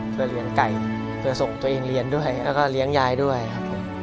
เพื่อเลี้ยงไก่เพื่อส่งตัวเองเรียนด้วยแล้วก็เลี้ยงยายด้วยครับ